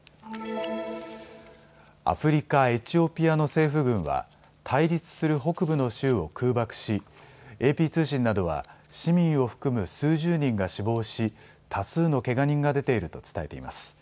アフリカ、エチオピアの政府軍は対立する北部の州を空爆し、ＡＰ通信などは市民を含む数十人が死亡し、多数のけが人が出ていると伝えています。